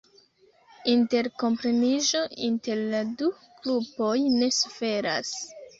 Interkompreniĝo inter la du grupoj ne suferas.